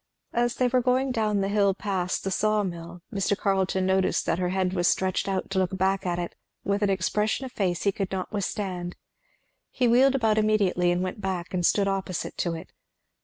As they were going down the hill past the saw mill Mr. Carleton noticed that her head was stretched out to look back at it, with an expression of face he could not withstand. He wheeled about immediately and went back and stood opposite to it.